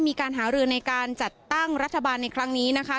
มีการหารือในการจัดตั้งรัฐบาลในครั้งนี้นะคะ